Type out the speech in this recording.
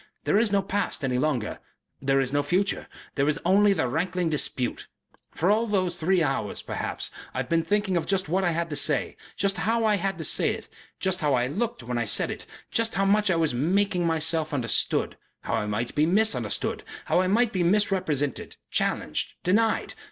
There is no past any longer, there is no future, there is only the rankling dispute. For all those three hours, perhaps, I have been thinking of just what I had to say, just how I had to say it, just how I looked while I said it, just how much I was making myself understood, how I might be misunderstood, how I might be misrepresented, challenged, denied.